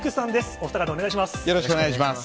お二方、お願いします。